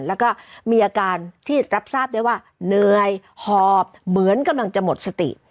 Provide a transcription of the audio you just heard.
แล้วก็มีอาการที่รับทราบได้ว่าเหนื่อยหอบเหมือนกำลังจะหมดสติ